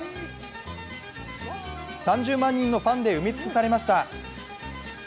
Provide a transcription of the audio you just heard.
３０万人のファンで埋め尽くされました。